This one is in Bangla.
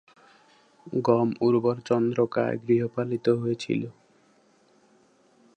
গম উর্বর চন্দ্রকায় গৃহপালিত হয়েছিল।